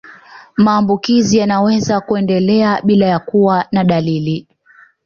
Maambukizi yanaweza kuendelea bila ya kuwa na dalili